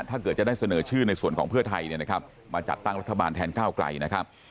ถ้าเกิดจะได้เสนอชื่อในส่วนของเพื่อไทยเนี่ยนะครับมาจัดตั้งรัฐบาลแทนก้าวไกลนะครับ